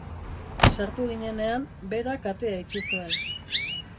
Sartu ginenean, berak atea itxi zuen.